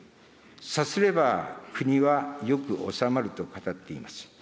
さすれば国はよく治まると語っています。